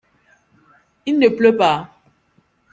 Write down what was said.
Il ne pleut pas ?